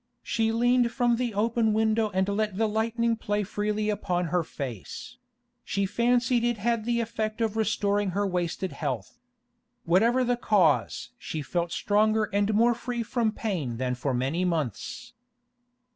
She leaned from the open window and let the lightning play freely upon her face: she fancied it had the effect of restoring her wasted health. Whatever the cause, she felt stronger and more free from pain than for many months.